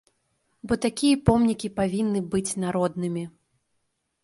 Бо такія помнікі павінны быць народнымі.